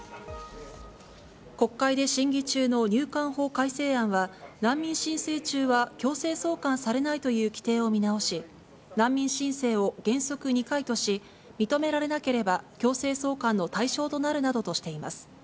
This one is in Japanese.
国会で審議中の入管法改正案は、難民申請中は強制送還されないという規定を見直し、難民申請を原則２回とし、認められなければ、強制送還の対象となるなどとしています。